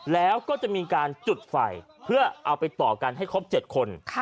แล้วก็จะมีการจุดไฟเพื่อเอาไปต่อกันให้ครบ๗คน